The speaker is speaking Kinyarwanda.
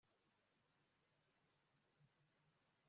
kuruhande rwundi, aho ibitekerezo byacu byose